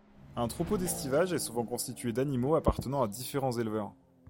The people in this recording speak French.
Un troupeau d’estivage est souvent constitué d’animaux appartenant à différents éleveurs.